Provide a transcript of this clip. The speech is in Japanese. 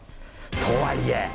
とはいえ。